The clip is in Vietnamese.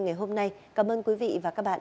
ngày hôm nay cảm ơn quý vị và các bạn